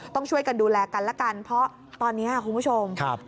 ต้องช่วยกันดูแลกันแล้วกันเพราะตอนนี้คุณผู้ชม